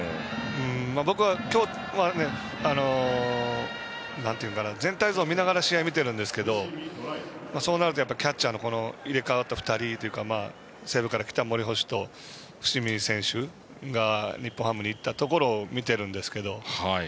僕は今日は全体像を見ながら試合を見ていますがそうなると、キャッチャーの入れ替わった２人というか西武から来た森捕手と伏見選手が日本ハムに行ったところを見ているんですけど。